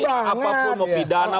apapun mau pidana